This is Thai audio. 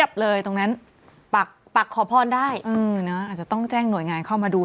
ตรงนั้นปักปักขอบพรได้อืมเนอะอาจจะต้องหน่วยงานเข้ามาดู